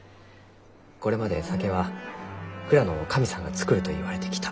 これまで酒は蔵の神さんが造るといわれてきた。